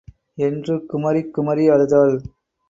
என்று குமுறிக் குமறி அழுதாள்.